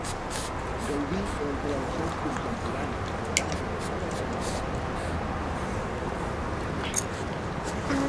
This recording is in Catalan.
Gaudí entre els seus contemporanis de gran anomenada com a executant i compositor.